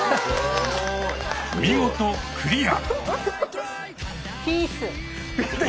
見事クリア。